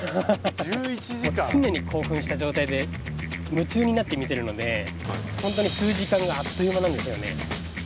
常に興奮した状態で夢中になって見てるのでホントに数時間があっという間なんですよね